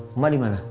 mama di mana